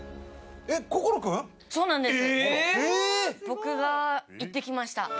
僕が行ってきました